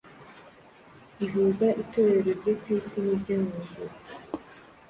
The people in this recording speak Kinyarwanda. ihuza Itorero ryo ku isi n’iryo mu ijuru.